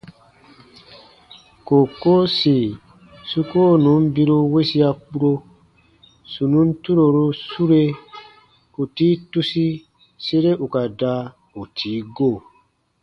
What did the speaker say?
Kookoo sì su koo nùn biru wesia kpuro, sù nùn turoru sure, ù tii tusi sere ù ka da ù tii go.